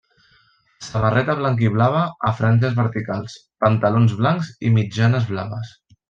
Samarreta blanc-i-blava a franges verticals, pantalons blancs i mitjanes blaves.